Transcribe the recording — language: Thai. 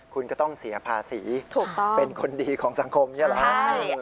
คุณก็ต้องเสียภาษีเป็นคนดีของสังคมใช่ไหมครับ